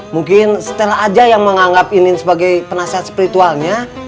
mungkin stella aja yang menganggap inin sebagai penasihat spiritualnya